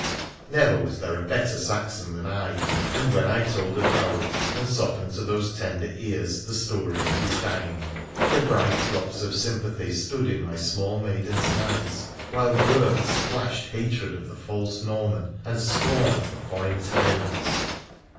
Never was there a better Saxon than I ! And when I told of Harold, and softened to those tender ears the story of his dying, the bright drops of sympathy stood in my small maiden's eyes, while Gurths flashed hatred of the false Norman and scorn of foreign tyrants.